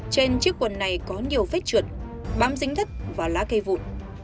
trên chiếc quần này có nhiều vết trượt bám dính đất và lá cây vụn